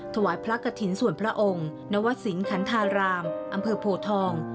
ถวายพระกฐินส่วนพระองค์นวสินขันธารามอำเภอโพทอง